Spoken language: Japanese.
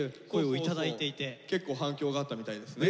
結構反響があったみたいですね。